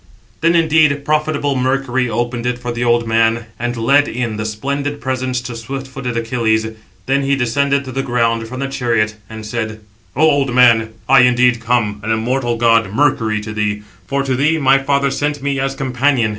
Then, indeed, profitable Mercury opened it for the old man, and led in the splendid presents to swift footed Achilles; then he descended to the ground, from the chariot, and said: "O old man, I indeed come, an immortal god, Mercury, to thee; for to thee my father sent me as companion.